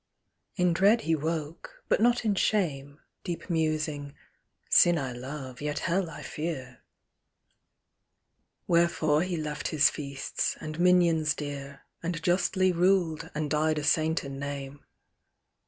In dread he woke, but not in shame, Deep musing â " Sin I love, yet Hell I fear." Wherefore he left his feasts, and minions dear. And justly ruled, and died a saint in name.